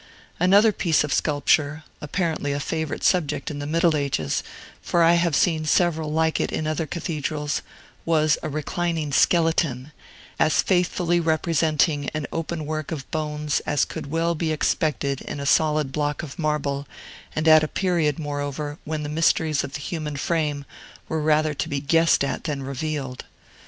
Another piece of sculpture (apparently a favorite subject in the Middle Ages, for I have seen several like it in other cathedrals) was a reclining skeleton, as faithfully representing an open work of bones as could well be expected in a solid block of marble, and at a period, moreover, when the mysteries of the human frame were rather to be guessed at than revealed.